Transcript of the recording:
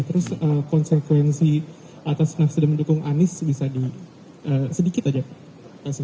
terus konsekuensi atas nasdem mendukung anies bisa di sedikit aja